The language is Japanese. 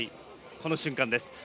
この瞬間です。